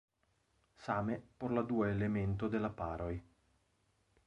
Same por la dua elemento de la paroj.